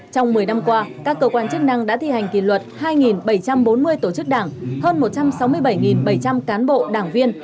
trong một mươi năm qua các cơ quan chức năng đã thi hành kỷ luật hai bảy trăm bốn mươi tổ chức đảng hơn một trăm sáu mươi bảy bảy trăm linh cán bộ đảng viên